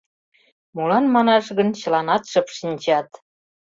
Молан манаш гын чыланат шып шинчат.